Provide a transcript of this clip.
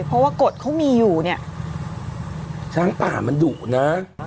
เพราะว่ากฎเขามีอยู่เนี่ยช้างป่ามันดุนะ